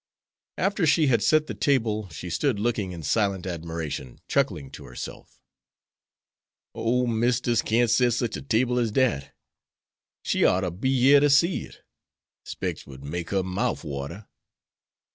After she had set the table she stood looking in silent admiration, chuckling to herself: "Ole Mistus can't set sich a table as dat. She ought'er be yere to see it. Specs 'twould make her mouf water.